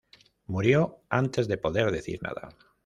Murió antes de poder decir nada.